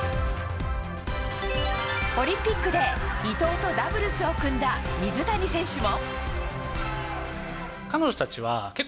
オリンピックで伊藤とダブルスを組んだ水谷選手も。